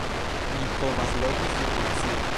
"Ni povas loĝi sur glacio!"